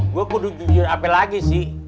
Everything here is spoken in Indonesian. gue kudu jujur apel lagi sih